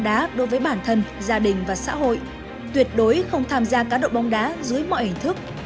đá đối với bản thân gia đình và xã hội tuyệt đối không tham gia cá độ bóng đá dưới mọi hình thức